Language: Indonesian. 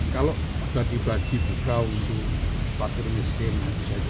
kalau tiba tiba dibuka untuk pakir miskin